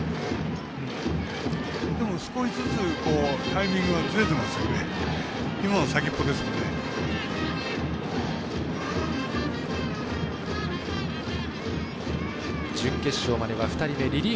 少しずつ、タイミングずれてますよね。